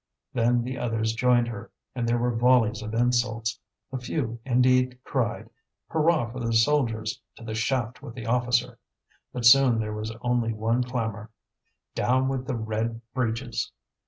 Then the others joined her, and there were volleys of insults. A few, indeed, cried: "Hurrah for the soldiers! to the shaft with the officer!" but soon there was only one clamour: "Down with the red breeches!"